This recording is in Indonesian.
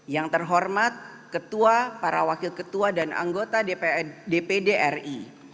yang terhormat ketua para wakil ketua dan anggota dpd ri